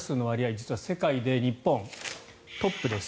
実は世界で日本、トップです。